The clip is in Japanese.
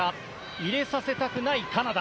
入れさせたくないカナダ。